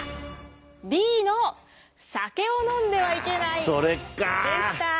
Ｂの酒を飲んではいけないでした。